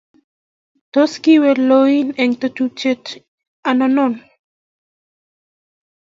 tos kiiwe loin eng tetutyet anonon?